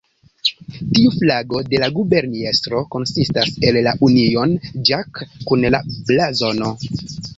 Tiu flago de la guberniestro konsistas el la Union Jack kun la blazono.